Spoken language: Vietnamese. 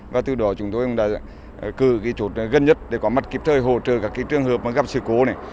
và từ đó chúng tôi cũng đã cư cái chỗ gần nhất để có mặt kịp thời hỗ trợ các trường hợp gặp sự cố